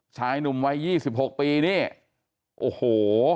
ชายหนุ่มวัย๒๖ปีนี่โอ้โห